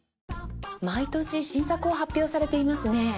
毎年新作を発表されていますね。